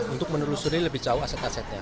untuk menelusuri lebih jauh aset asetnya